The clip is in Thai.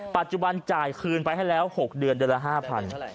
ปัจจุบันจ่ายคืนไปให้แล้ว๖เดือนเดือนละ๕๐๐บาท